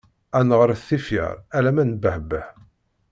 Ad neɣret tifyar alamma nebbeḥbeḥ.